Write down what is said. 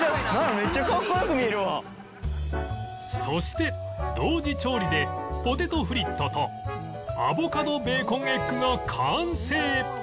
そして同時調理でポテトフリットとアボカドベーコンエッグが完成